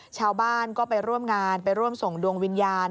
ชาวบ้านก็ไปร่วมงานไปร่วมส่งดวงวิญญาณ